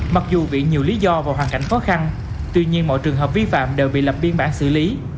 mặc dù bị nhiều lý do và hoàn cảnh khó khăn tuy nhiên mọi trường hợp vi phạm đều bị lập biên bản xử lý